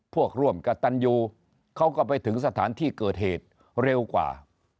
ร่วมกับตันยูเขาก็ไปถึงสถานที่เกิดเหตุเร็วกว่า